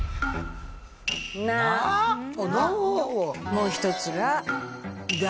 もう一つが「だ」。